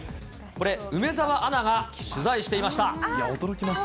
これ、梅澤アナが取材していました。